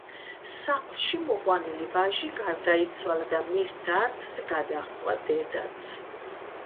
სახლში მიყვანილი ვაჟი გარდაიცვალა და მის დარდს გადაჰყვა დედაც.